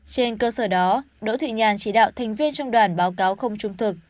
trên cơ sở đó đỗ thị nhàn chỉ đạo thành viên trong đoàn báo cáo không trung thực